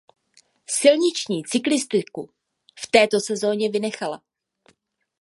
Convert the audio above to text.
Silniční cyklistiku v této sezóně vynechala.